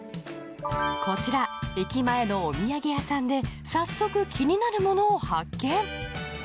こちら駅前のお土産屋さんで早速気になるものを発見